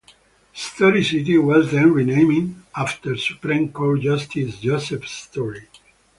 Story City was then renamed after Supreme Court Justice Joseph Story.